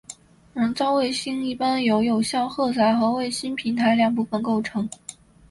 人造卫星一般由有效载荷和卫星平台两部分构成。